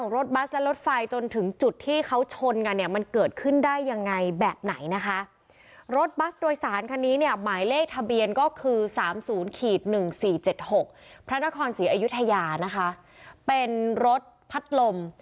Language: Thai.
รถบัสโดยสารคันนี้เนี่ยหมายเลขทะเบียนก็คือ๓๐๑๔๗๖พระราคอนศรีอยุธยาเป็นรถพัดลม